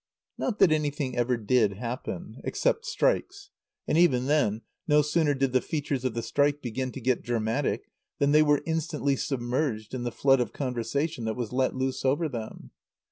Not that anything ever did happen. Except strikes; and even then, no sooner did the features of the strike begin to get dramatic than they were instantly submerged in the flood of conversation that was let loose over them.